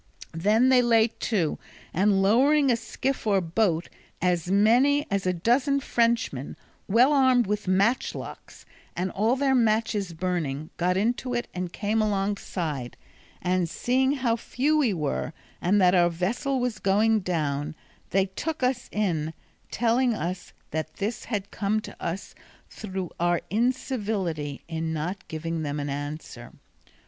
They then lay to, and lowering a skiff or boat, as many as a dozen Frenchmen, well armed with match locks, and their matches burning, got into it and came alongside; and seeing how few we were, and that our vessel was going down, they took us in, telling us that this had come to us through our incivility in not giving them an answer.